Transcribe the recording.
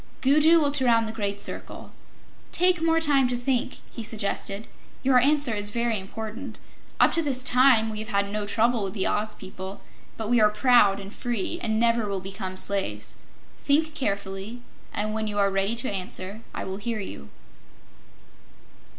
Gugu looked around the great circle. "Take more time to think," he suggested. "Your answer is very important. Up to this time we have had no trouble with the Oz people, but we are proud and free, and never will become slaves. Think carefully, and when you are ready to answer, I will hear you."